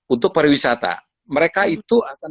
untuk para wisata mereka itu akan